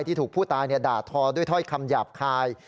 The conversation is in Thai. ที่ถูกผู้ตายด่าทอด้วยถ้อยคำหยาบคาย